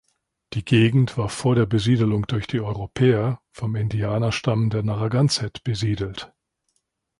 Die Gegend war vor der Besiedelung durch die Europäer vom Indianer-Stamm der Narraganset besiedelt.